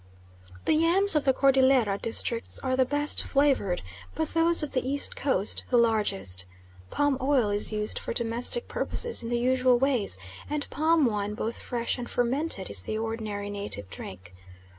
The yams of the Cordillera districts are the best flavoured, but those of the east coast the largest. Palm oil is used for domestic purposes in the usual ways, and palm wine both fresh and fermented is the ordinary native drink.